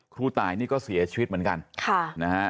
ครูตายนี่ก็เสียชีวิตเหมือนกันค่ะนะฮะ